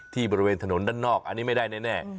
บริเวณถนนด้านนอกอันนี้ไม่ได้แน่